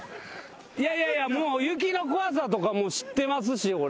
いやいやいやもう雪の怖さとか知ってますし俺。